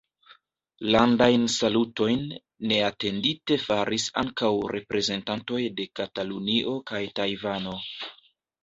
Landajn salutojn neatendite faris ankaŭ reprezentantoj de Katalunio kaj Tajvano.